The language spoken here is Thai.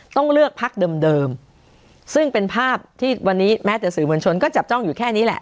ต้องเลือกพักเดิมเดิมซึ่งเป็นภาพที่วันนี้แม้แต่สื่อมวลชนก็จับจ้องอยู่แค่นี้แหละ